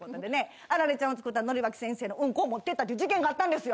アラレちゃんを作った則巻先生のうんこを持ってったっていう事件があったんですよ。